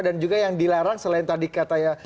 dan juga yang dilarang selain tadi katanya